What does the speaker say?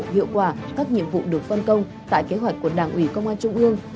hiệu quả các nhiệm vụ được phân công tại kế hoạch của đảng ủy công an trung ương